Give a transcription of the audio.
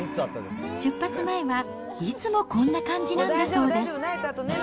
出発前はいつもこんな感じなんだそうです。